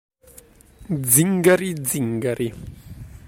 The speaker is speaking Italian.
Zingari zingari